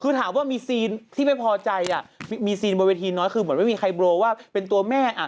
คือถามว่ามีซีนที่ไม่พอใจอ่ะมีซีนบนเวทีน้อยคือเหมือนไม่มีใครโบว่าเป็นตัวแม่